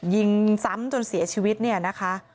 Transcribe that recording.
ยิงซ้ำจนเสียชีวิตเนี่ยนะคะ